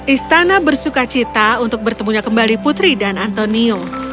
istana bersuka cita untuk bertemunya kembali putri dan antonio